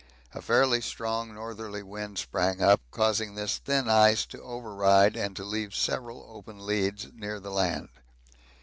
A fairly strong northerly wind sprang up, causing this thin ice to override and to leave several open leads near the land.